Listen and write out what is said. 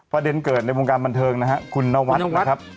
ประเด็นเกิดในวงการบันเทิงนะฮะคุณนวัดนะครับ